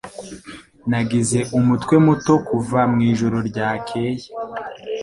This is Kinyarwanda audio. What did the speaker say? Nagize umutwe muto kuva mwijoro ryakeye.